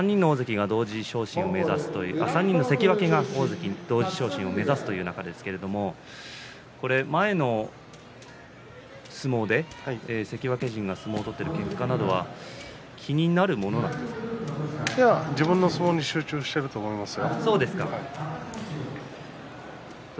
３人の関脇が大関同時昇進を目指す中で前の相撲で関脇陣が相撲を取っていた結果などは自分の相撲に集中していると思いますよ。